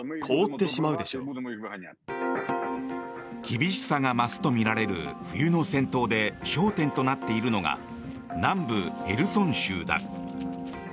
厳しさが増すとみられる冬の戦闘で焦点となっているのが南部ヘルソン州だ。